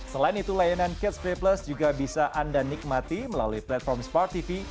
selain itu layanan catch play plus juga bisa anda nikmati melalui platform spark tv